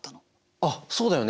あっそうだよね